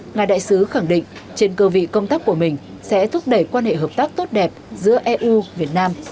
ngài đại sứ khẳng định trên cơ vị công tác của mình sẽ thúc đẩy quan hệ hợp tác tốt đẹp giữa eu việt nam